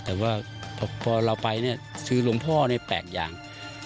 แต่ว่าพอเราไปคือหลวงพ่อแปลกอย่าง